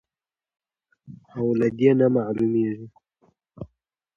او له دې نه معلومېږي،